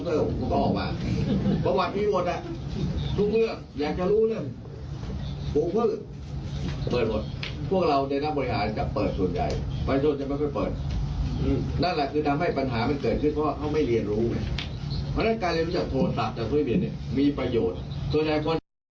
เพราะฉะนั้นการเรียนรู้จักโทรศัพท์และเครื่องบินมีประโยชน์